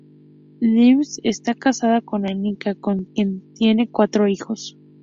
Lidström está casada con Annika, con quien tiene cuatro hijos.